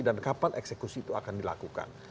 dan kapan eksekusi itu akan dilakukan